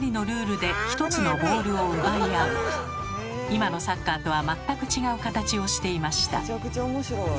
今のサッカーとは全く違う形をしていました。